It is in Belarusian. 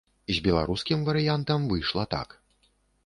З беларускім варыянтам выйшла так.